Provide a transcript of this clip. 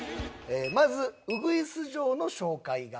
まずウグイス嬢の紹介があります。